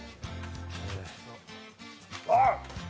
あっ！